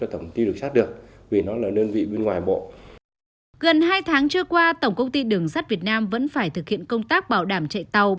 tổng công ty đường sắt việt nam vẫn phải thực hiện công tác bảo đảm chạy tàu